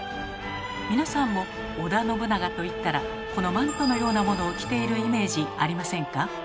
皆さんも織田信長といったらこのマントのようなものを着ているイメージありませんか？